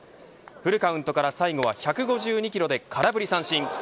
フルカウントから最後は１５２キロで空振り三振。